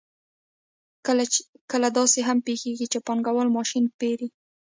کله داسې هم پېښېږي چې پانګوال ماشین پېري